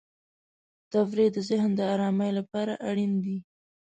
تفریح د ذهن د آرام لپاره اړین دی.